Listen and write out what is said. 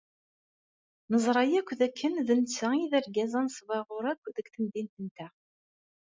Neẓra akk dakken d netta ay d argaz anesbaɣur akk deg temdint-nteɣ.